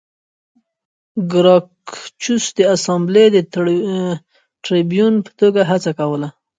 ګراکچوس د اسامبلې د ټربیون په توګه هڅه کوله